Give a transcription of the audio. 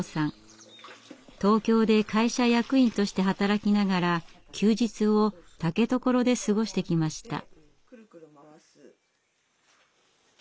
東京で会社役員として働きながら休日を竹所で過ごしてきました。